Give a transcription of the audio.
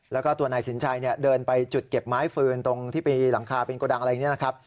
แล้วก็ตัวนายสินชัยเดินไปจุดเก็บไม้ฟืนตรงที่มีหลังคาเป็นโกดังอะไรอย่างนี้นะครับ